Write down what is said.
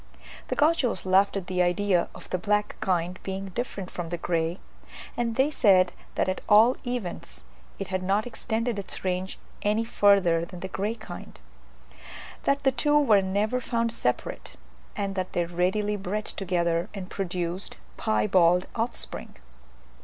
The Gauchos laughed at the idea of the black kind being different from the grey, and they said that at all events it had not extended its range any further than the grey kind; that the two were never found separate; and that they readily bred together, and produced piebald offspring.